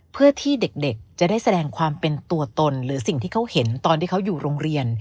เพื่อที่เด็กจะได้แสดงความเป็นตัวตนหรือสิ่งที่เขาเห็นตอนที่เขาอยู่โรงเรียน